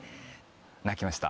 泣きました。